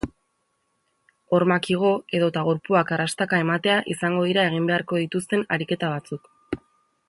Hormak igo edota gorpuak arrastaka ematea izango dira egin beharko dituzten ariketa batzuk.